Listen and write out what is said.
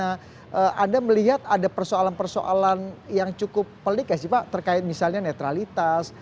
nah anda melihat ada persoalan persoalan yang cukup pelik ya sih pak terkait misalnya netralitas